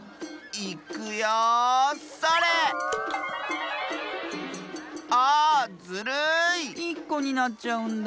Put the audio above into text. いっこになっちゃうんだ。